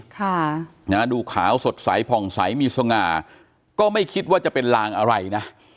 ค่ะนะดูขาวสดใสผ่องใสมีสง่าก็ไม่คิดว่าจะเป็นลางอะไรนะ